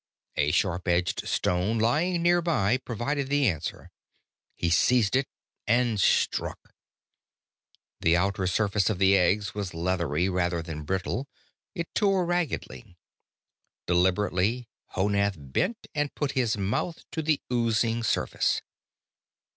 A sharp edged stone lying nearby provided the answer. He seized it and struck. The outer surface of the egg was leathery rather than brittle; it tore raggedly. Deliberately, Honath bent and put his mouth to the oozing surface.